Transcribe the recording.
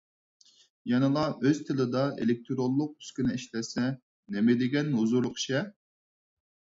يەنىلا ئۆز تىلىدا ئېلېكتىرونلۇق ئۈسكۈنە ئىشلەتسە نېمىدېگەن ھۇزۇرلۇق ئىش-ھە.